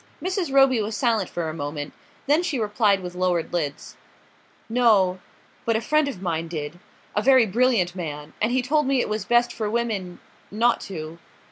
Mrs. Roby was silent for a moment; then she replied with lowered lids: "No but a friend of mine did; a very brilliant man; and he told me it was best for women not to...."